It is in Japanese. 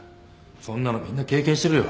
そんなのみんな経験してるよ。